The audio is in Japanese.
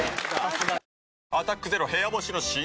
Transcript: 新「アタックＺＥＲＯ部屋干し」解禁‼